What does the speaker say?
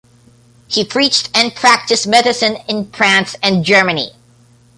He preached and practiced medicine in France and Germany.